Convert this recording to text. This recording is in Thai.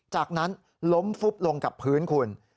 จากนั้นล้มฟุบลงกับพื้นคุณ